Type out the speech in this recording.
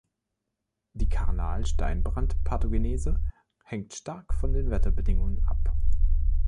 Die Karnal-Steinbrand-Pathogenese hängt stark von den Wetterbedingungen ab.